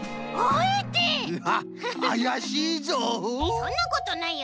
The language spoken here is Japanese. そんなことないよ。